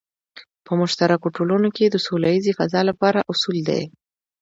په مشترکو ټولنو کې د سوله ییزې فضا لپاره اصول دی.